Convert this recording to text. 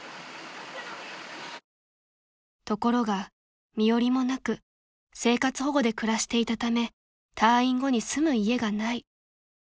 ［ところが身寄りもなく生活保護で暮らしていたため退院後に住む家がない］